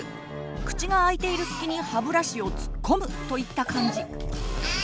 口が開いている隙に歯ブラシを突っ込むといった感じ。